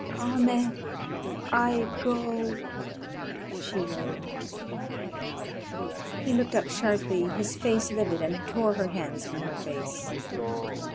"Ahmed! I go!" she wailed. He looked up sharply, his face livid, and tore her hands from her face.